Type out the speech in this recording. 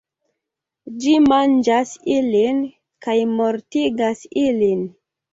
Ĝi manĝas ilin, kaj mortigas ilin.